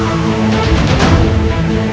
aku akan menang